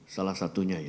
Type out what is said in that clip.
salah satunya ya